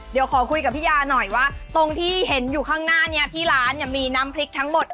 เดี๋ยวขอคุยกับพี่ยาหน่อยว่าตรงที่เห็นอยู่ข้างหน้านี้ที่ร้านเนี่ยมีน้ำพริกทั้งหมด